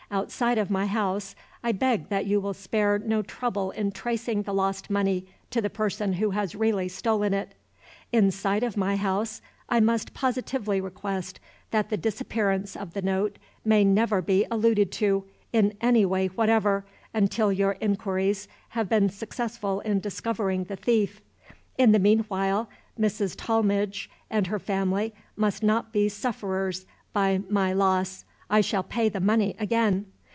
Outside of my house, I beg that you will spare no trouble in tracing the lost money to the person who has really stolen it. Inside of my house, I must positively request that the disappearance of the note may never be alluded to, in any way whatever, until your inquiries have been successful in discovering the thief. In the meanwhile, Mrs. Tollmidge and her family must not be sufferers by my loss: I shall pay the money again."